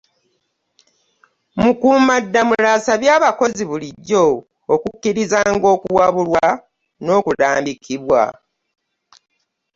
Mukuumaddamula asabye abakozi bulijjo okukkirizanga okuwabulwa n'okulambikibwa